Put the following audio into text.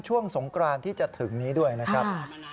ช่วงสงกรานที่จะถึงนี้ด้วยนะครับ